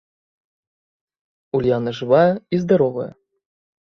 Ульяна жывая і здаровая.